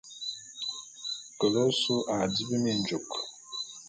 Kele ôsu a dibi minjuk.